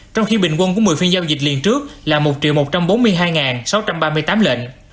trong khi bình quân của một mươi phiên giao dịch liên trước là một một trăm bốn mươi hai sáu trăm ba mươi tám lệnh